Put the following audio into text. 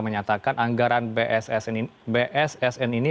menyatakan anggaran bssn ini